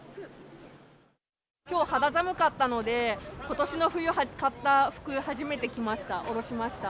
きょう肌寒かったので、ことしの冬買った服、初めて着ました。